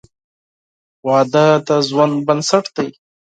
• واده د ژوند بنسټ دی.